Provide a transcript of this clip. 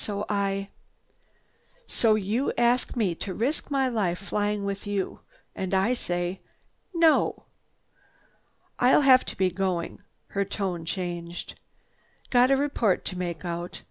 So I—" "So you ask me to risk my life flying with you. And I say 'No!' "I—I'll have to be going." Her tone changed. "Got a report to make out.